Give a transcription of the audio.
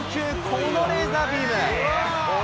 このレーザービーム。